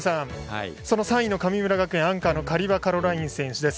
３位の神村学園、アンカーのカリバ・カロライン選手です。